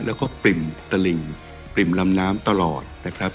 แล้วก็ปริ่มตลิ่งปริ่มลำน้ำตลอดนะครับ